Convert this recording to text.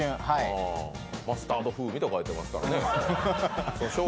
マスタード風味と書いてありますからね。